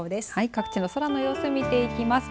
各地の空の様子見てきます。